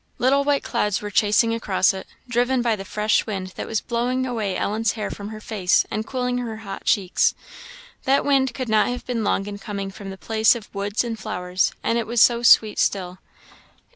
Little white clouds were chasing across it, driven by the fresh wind that was blowing away Ellen's hair from her face, and cooling her hot cheeks. That wind could not have been long in coming from the place of woods and flowers, it was so sweet still.